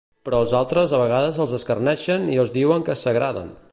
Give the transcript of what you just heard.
Però els altres a vegades els escarneixen i els diuen que s'agraden!